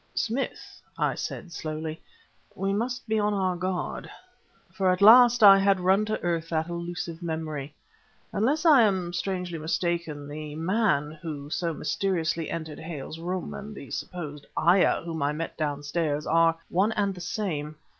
"Smith," I said slowly, "we must be on our guard," for at last I had run to earth that elusive memory. "Unless I am strangely mistaken, the 'man' who so mysteriously entered Hale's room and the supposed ayah whom I met downstairs are one and the same.